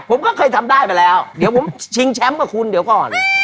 ผมก็เคยทำได้ไปแล้วเดี๋ยวผมชิงแชมป์กับคุณเดี๋ยวก่อน